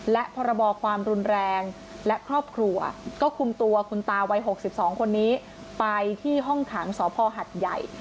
และพรบความรุนแรงและครอบครัวก็คุมตัวคุณตาวัย๖๒คนนี้ไปที่ห้องขังสพหัดใหญ่